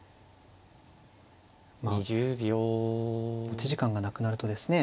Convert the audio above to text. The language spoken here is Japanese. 持ち時間がなくなるとですね